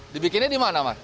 dibikinnya di mana pak